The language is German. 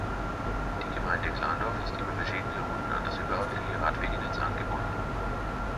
Die Gemeinde Glandorf ist über verschiedene Routen an das überörtliche Radwegenetz angebunden.